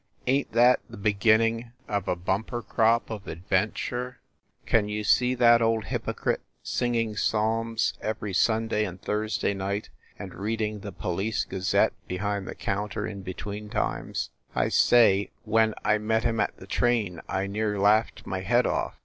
Ain t that the beginning of a bumper crop of 62 FIND THE WOMAN adventure ? Can you see that old hypocrite, singing psalms every Sunday and Thursday night, and read ing the "Police Gazette" behind the counter in be tween times ? I say, when I met him at the train I near laughed my head off.